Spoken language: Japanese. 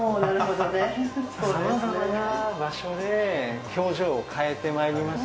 さまざまな場所で表情を変えてまいります。